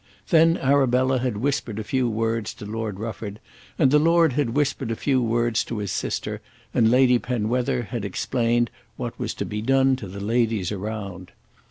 Then Arabella had whispered a few words to Lord Rufford, and the lord had whispered a few words to his sister, and Lady Penwether had explained what was to be done to the ladies around.